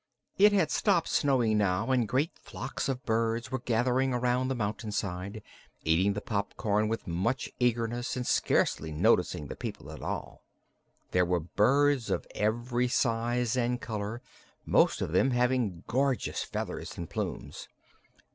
It had stopped snowing, now, and great flocks of birds were gathering around the mountain side, eating the popcorn with much eagerness and scarcely noticing the people at all. There were birds of every size and color, most of them having gorgeous feathers and plumes.